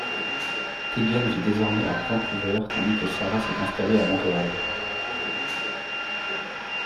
Tegan vit désormais à Vancouver tandis que Sara s'est installée à Montréal.